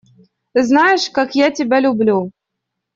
Знаешь, как я тебя люблю!